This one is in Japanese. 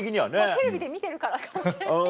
テレビで見てるからかもしれない。